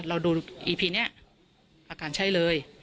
เราดูอีพีนี้อาการใช่เลย